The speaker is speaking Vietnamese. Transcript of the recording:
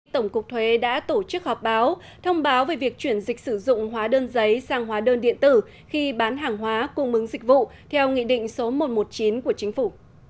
tổng cục thuế đã tổ chức họp báo thông báo về việc chuyển dịch sử dụng hóa đơn giấy sang hóa đơn điện tử khi bán hàng hóa cung ứng dịch vụ theo nghị định số một trăm một mươi chín của chính phủ